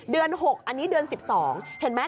เดือน๖อันนี้เดือน๑๒เห็นไหม